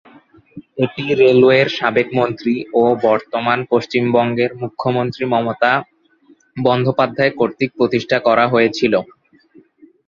এটি রেলওয়ের সাবেক মন্ত্রী ও বর্তমান পশ্চিমবঙ্গের মুখ্যমন্ত্রী মমতা বন্দ্যোপাধ্যায় কর্তৃক প্রতিষ্ঠা করা হয়েছিল।